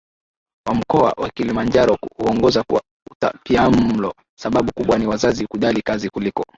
wa mkoa wa Kilimanjaro huongoza kwa utapiamlo Sababu kubwa ni wazazi kujali kazi kuliko